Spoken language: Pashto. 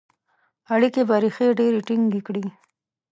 اړیکي به ریښې ډیري ټینګي کړي.